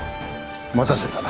待たせたな。